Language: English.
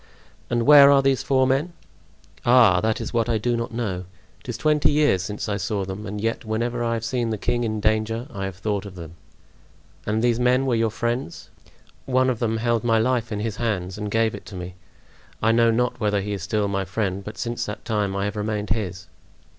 "And where are these four men?" "Ah, that is what I do not know. It is twenty years since I saw them, and yet whenever I have seen the king in danger I have thought of them." "And these men were your friends?" "One of them held my life in his hands and gave it to me. I know not whether he is still my friend, but since that time I have remained his."